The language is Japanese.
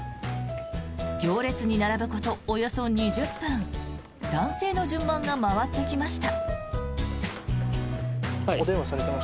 行列に並ぶことおよそ２０分男性の順番が回ってきました。